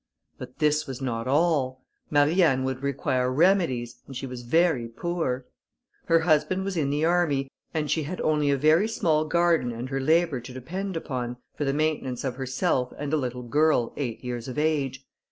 But this was not all; Marianne would require remedies, and she was very poor; her husband was in the army, and she had only a very small garden and her labour to depend upon, for the maintenance of herself and a little girl, eight years of age.